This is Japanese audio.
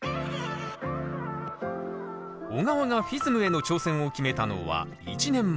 緒川がＦＩＳＭへの挑戦を決めたのは１年前。